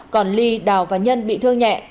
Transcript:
còn ly đào và nhân bị thương nhẹ